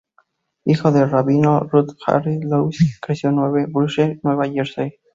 Hija de un rabino, Ruth Harriet Louise creció en New Brunswick, Nueva Jersey.